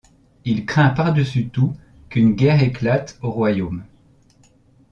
Il craint par-dessus tout qu'une guerre éclate au Royaume.